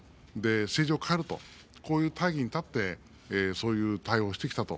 政治を変えると、こういう大義に立ってこういう対応をしてきたと。